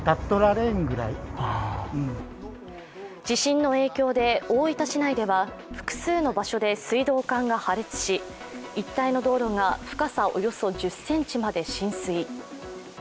地震の影響で大分市内では複数の場所で水道管が破裂し、一帯の道路が深さおよそ１０ｃｍまで浸水。